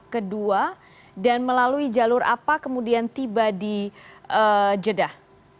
kedua dan melalui jalur apa kemudian tiba di jeddah